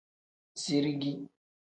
Zirigi.